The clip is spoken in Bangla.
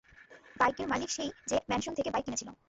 বাইকের মালিক সেই যে ম্যানশন থেকে বাইক নিয়েছিল।